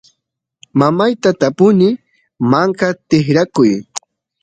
mamayta tapuni manka tikrakuy